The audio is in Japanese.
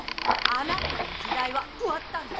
あなたの時代は終わったんです。